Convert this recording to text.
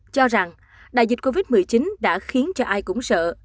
cho rằng đại dịch covid một mươi chín đã khiến cho ai cũng sợ